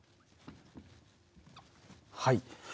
はい。